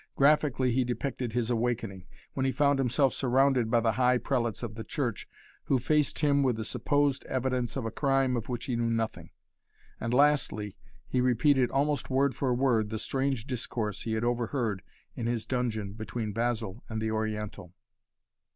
Graphically he depicted his awakening, when he found himself surrounded by the high prelates of the Church who faced him with the supposed evidence of a crime of which he knew nothing. And lastly he repeated almost word for word the strange discourse he had overheard in his dungeon between Basil and the Oriental.